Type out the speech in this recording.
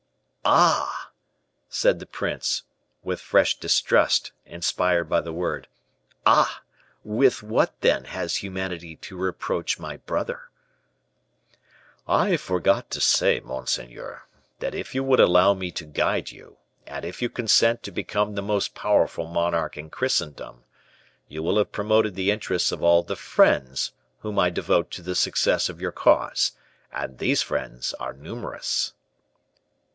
"Ah!" said the prince, with fresh distrust inspired by the word; "ah! with what, then, has humanity to reproach my brother?" "I forgot to say, monseigneur, that if you would allow me to guide you, and if you consent to become the most powerful monarch in Christendom, you will have promoted the interests of all the friends whom I devote to the success of your cause, and these friends are numerous."